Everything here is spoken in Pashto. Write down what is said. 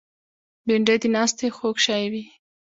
بېنډۍ د ناستې خوږ شی وي